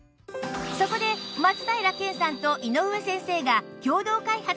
そこで松平健さんと井上先生が共同開発したのが健眠枕